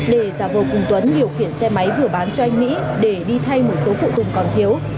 để ra vô cùng tuấn điều kiện xe máy vừa bán cho anh mỹ để đi thay một số phụ tùng còn thiếu